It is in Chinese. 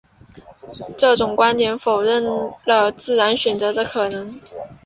这种观点否认了自然选择的可能。